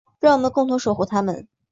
让我们共同守护她们。